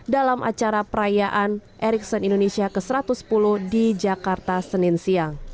dalam acara perayaan ericson indonesia ke satu ratus sepuluh di jakarta senin siang